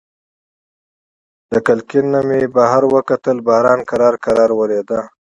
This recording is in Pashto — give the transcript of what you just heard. له کړکۍ نه مې بهر وکتل، باران په کراره وریده.